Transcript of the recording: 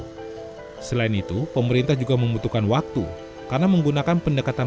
holi will ini juga sudah menjadi proses ciriga hamil ditandatangani oleh tipek thinking yang ditahufikan